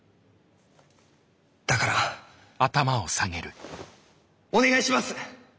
だからお願いします！